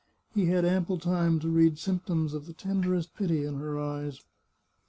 He had ample time to read symptoms of the tenderest pity in her eyes.